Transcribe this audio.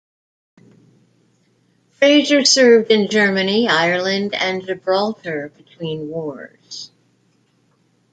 Fraser served in Germany, Ireland, and Gibraltar between wars.